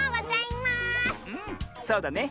そうだね。